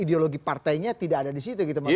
ideologi partainya tidak ada di situ gitu maksudnya